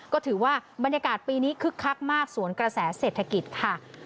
ก็ถือว่าบรรยากาศปีนี้คึกคักมากสวนกระแสเศรษฐกิจค่ะ